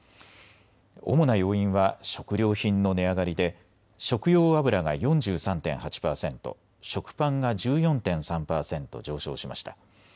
主な要因は食料品の値上がりで食用油が４３．８％、食パンが１４．３％上昇しました。